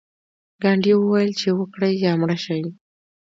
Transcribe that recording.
ګاندي وویل چې وکړئ یا مړه شئ.